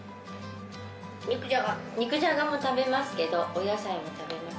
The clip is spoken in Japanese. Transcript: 肉じゃがも食べますけどお野菜も食べます。